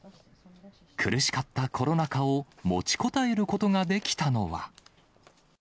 苦しかったコロナ禍を、持ちこたえることができたのは。